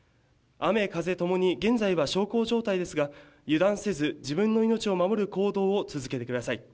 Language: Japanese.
雨、風ともに現在は小康状態ですが油断せず自分の命を守る行動を続けてください。